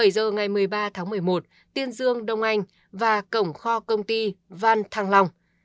bảy giờ ngày một mươi ba tháng một mươi một tiên dương đông anh và cổng kho công ty văn thăng long